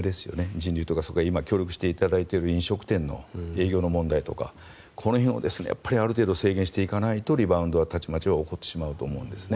人流とか協力していただいている飲食店の営業の問題とかこの辺をある程度制限していかないとリバウンドはたちまち起こってしまうと思うんですね。